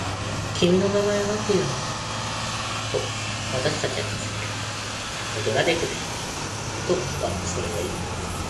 「君の名前はなんていうの？」と、私たちはたずねる。「オドラデクだよ」と、それはいう。